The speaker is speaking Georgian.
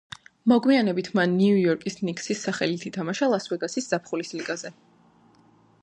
მოგვიანებით მან ნიუ-იორკ ნიქსის სახელით ითამაშა ლას-ვეგასის ზაფხულის ლიგაზე.